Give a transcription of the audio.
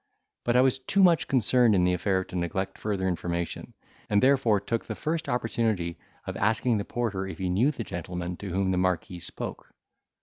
But I was too much concerned in the affair to neglect further information, and therefore took the first opportunity of asking the porter if he knew the gentleman to whom the marquis spoke.